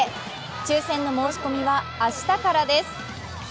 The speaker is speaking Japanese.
抽選の申し込みは明日からです。